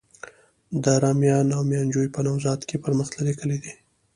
دره میان او ميانجوی په نوزاد کي پرمختللي کلي دي.